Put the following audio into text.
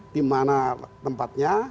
di mana tempatnya